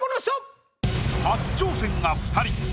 初挑戦が２人。